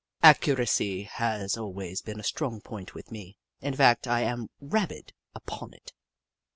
Accuracy has always been a strong point with me — in fact, I am rabid upon it.